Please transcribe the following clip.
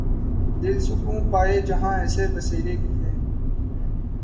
دل سکوں پائے جہاں ایسے بسیرے کتنے